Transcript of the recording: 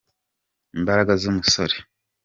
imbaraga z'umusore